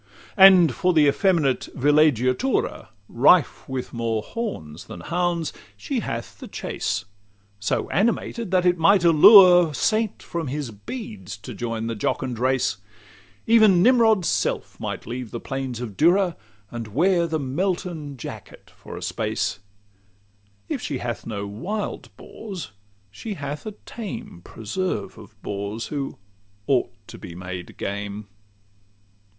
LXXVIII And for the effeminate villeggiatura Rife with more horns than hounds she hath the chase, So animated that it might allure Saint from his beads to join the jocund race; Even Nimrod's self might leave the plains of Dura, And wear the Melton jacket for a space: If she hath no wild boars, she hath a tame Preserve of bores, who ought to be made game.